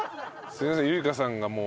すいません由莉香さんがもう。